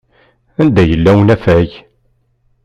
Anda yella unafag?